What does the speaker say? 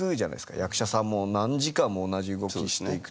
役者さんも何時間も同じ動きにしていくと。